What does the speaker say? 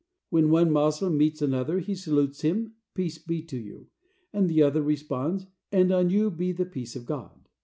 '" When one Moslem meets another, he salutes him, "Peace be to you," and the other responds, "And on you be the peace of God."